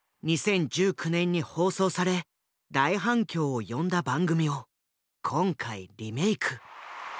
２０１９年に放送され大反響を呼んだ番組を今回リメイク。